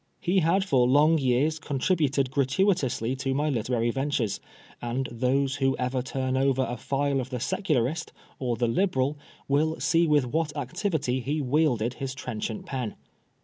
He had for long years contributed gratuitously to my literary ventures, and those who ever turn over a file of the Secularist or the Liberal will see with what activity he wielded his trenchant pen.